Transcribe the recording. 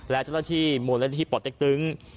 และเจ้าหน้าที่มูลนิธิป่อเต็กตึง